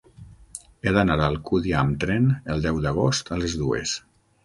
He d'anar a Alcúdia amb tren el deu d'agost a les dues.